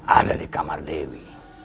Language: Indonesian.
ada di kamar dewi